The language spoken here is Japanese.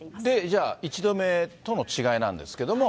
じゃあ、１度目との違いなんですけれども。